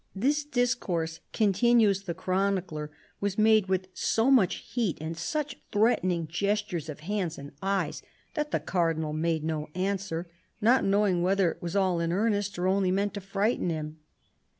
" This discourse," continues the chronicler, " was made with so much heat and such threatening gestures of hands and eyes, that the Cardinal made no answer, not knowing whether it was all in earnest or only meant to frighten him."